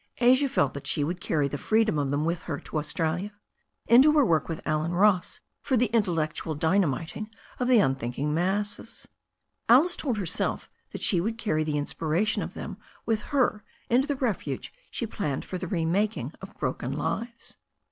Asia felt that she would carry the freedom, oi ^<ecsL^«r^ 432 THE STORY OF A NEW ZEALAND RIVER her to Australia, into her work with Allen Ross for the in tellectual dynamiting of the unthinking masses. Alice told herself that she would carry the inspiration of them with her into the refuge she planned for the re making of broken lives.